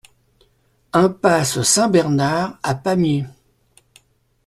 Impasse Saint-Bernard à Pamiers